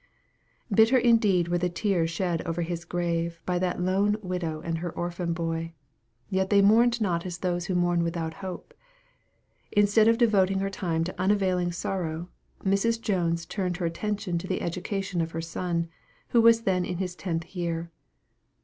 Bitter indeed were the tears shed over his grave by that lone widow and her orphan boy; yet they mourned not as those who mourn without hope. Instead of devoting her time to unavailing sorrow, Mrs. Jones turned her attention to the education of her son, who was then in his tenth year.